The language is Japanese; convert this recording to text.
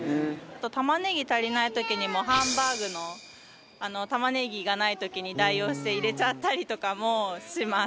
玉ねぎ足りない時にもうハンバーグの玉ねぎがない時に代用して入れちゃったりとかもします。